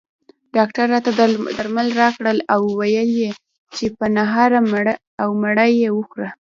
ډاکټر راته درمل راکړل او ویل یې چې په نهاره او مړه یې خوره